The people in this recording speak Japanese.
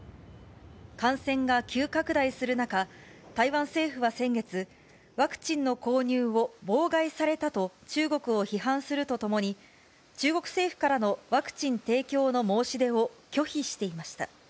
感染が急拡大する中、台湾政府は先月、ワクチンの購入を妨害されたと、中国を批判するとともに、中国政府からのワクチン提供の申し出を拒否していました。